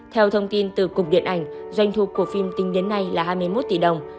theo thông tin từ cục điện ảnh doanh thu của phim tính đến nay là hai mươi một tỷ đồng